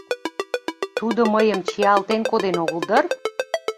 Тудо мыйым чиялтен коден огыл дыр?